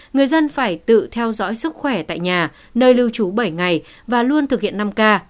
người dân phải tự theo dõi sức khỏe tại nhà nơi lưu trú bảy ngày và luôn thực hiện năm k